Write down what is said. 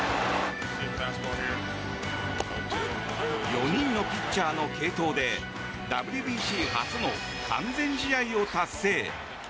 ４人のピッチャーの継投でＷＢＣ初の完全試合を達成。